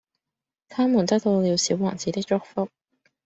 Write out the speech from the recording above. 它們得到了小王子的祝福